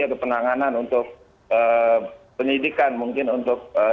atau penanganan untuk penyidikan mungkin untuk